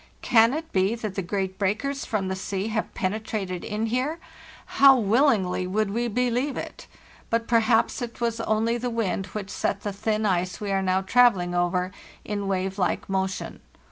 Can it be that the great breakers from the sea have pene trated in here? How willingly would we believe it! But perhaps it was only the wind which set the thin ice we are now travelling over in wave like motion.